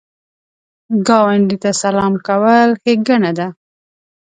ګاونډي ته سلام کول ښېګڼه ده